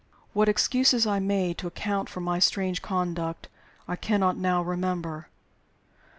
What excuses I made to account for my strange conduct I cannot now remember.